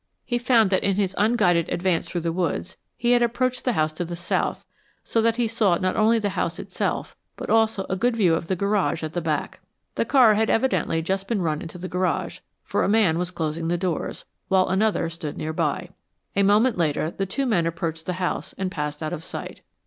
He found that in his unguided advance through the woods, he had approached the house to the south, so that he saw not only the house itself, but also had a good view of the garage at the back. The car had evidently just been run into the garage, for a man was closing the doors, while another stood nearby. A moment later, the two men approached the house and passed out of sight.